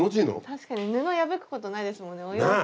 確かに布破くことないですもんねお洋服。